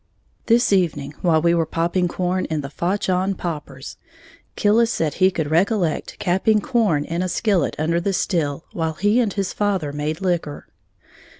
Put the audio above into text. _ This evening, while we were popping corn in the "fotch on" poppers, Killis said he could recollect "capping" corn in a skillet under the still while he and his father made liquor.